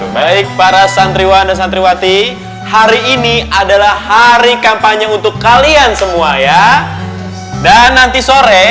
baik para santriwan dan santriwati hari ini adalah hari kampanye untuk kalian semua ya dan nanti sore